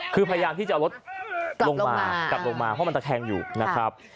คือพยายามที่จะเอารถลงมากลับลงมาเพราะมันตะแคงอยู่นะครับ